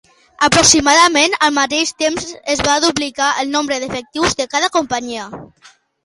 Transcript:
Aproximadament al mateix temps es va duplicar el nombre d'efectius de cada companyia.